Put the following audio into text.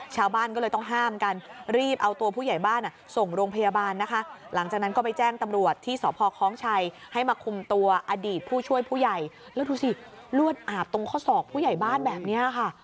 ช่วยผู้ใหญ่แล้วดูสิเลือดอาบตรงข้อศอกผู้ใหญ่บ้านแบบเนี้ยค่ะ